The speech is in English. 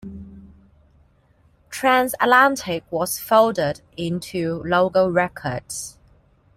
Transatlantic was folded into Logo Records.